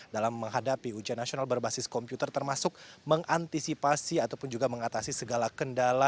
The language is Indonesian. dalam menghadapi ujian nasional berbasis komputer termasuk mengantisipasi ataupun juga mengatasi segala kendala